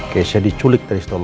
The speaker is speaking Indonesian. keisha diculik dari setelah itu